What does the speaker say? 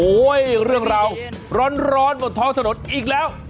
เรื่องราวร้อนบนท้องถนนอีกแล้ว